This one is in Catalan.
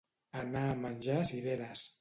Anar a menjar cireres.